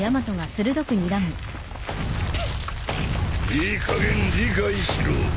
いいかげん理解しろ。